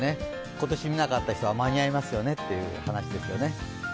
今年見なかった人は間に合いますよねという話ですよね。